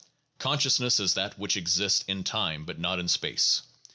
Consciousness is that which exists in time but not in space.